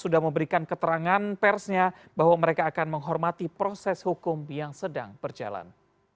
sudah memberikan keterangan persnya bahwa mereka akan menghormati proses hukum yang sedang berjalan